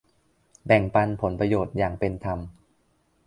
แบ่งปันผลประโยชน์อย่างเป็นธรรม